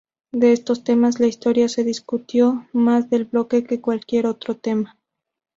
De estos temas, la historia se discutió más del doble que cualquier otro tema.